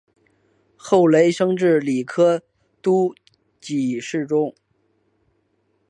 后累升至礼科都给事中。